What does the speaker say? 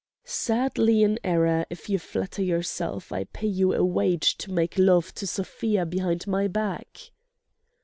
"... sadly in error if you flatter yourself I pay you a wage to make love to Sofia behind my back."